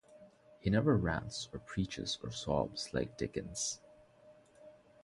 He never rants or preaches or sobs like Dickens.